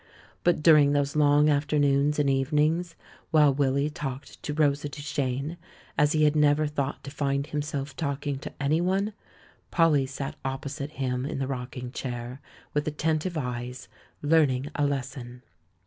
But during those long afternoons and evenings, while Willy talked to "Rosa Duchene" as he had never thought to find himself talking to anyone, Polly sat opposite him in the rocking chair, with atten tive eyes, learning a lesson.